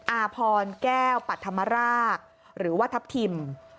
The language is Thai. อาพรแก้วปัธมรากหรือว่าทัพทิม